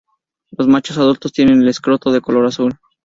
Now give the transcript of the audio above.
Los machos adultos tienen el escroto de color azul.